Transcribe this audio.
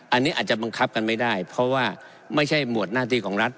อันนี้อาจจะบังคับกันไม่ได้เพราะว่าไม่ใช่หมวดหน้าที่ของรัฐ